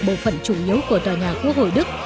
bộ phận chủ yếu của tòa nhà quốc hội đức